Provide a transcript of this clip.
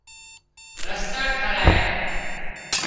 رستا ٽاهرايا